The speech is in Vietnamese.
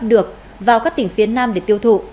được vào các tỉnh phía nam để tiêu thụ